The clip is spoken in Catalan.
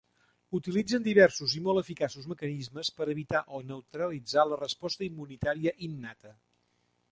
Utilitzen diversos i molt eficaços mecanismes per evitar o neutralitzar la resposta immunitària innata.